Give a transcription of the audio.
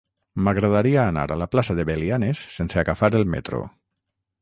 M'agradaria anar a la plaça de Belianes sense agafar el metro.